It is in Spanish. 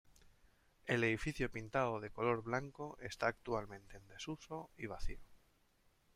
El edificio pintado de color blanco esta actualmente en desuso y vacío.